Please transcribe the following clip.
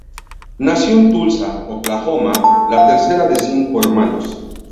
Nació en Tulsa, Oklahoma, la tercera de cinco hermanos.